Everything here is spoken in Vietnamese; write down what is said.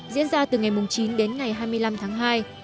diễn ra từ ngày chín đến ngày hai mươi năm tháng hai